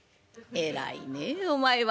偉いねえお前は。